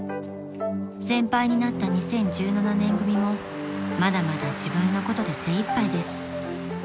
［先輩になった２０１７年組もまだまだ自分のことで精いっぱいです］